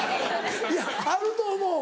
いやあると思う。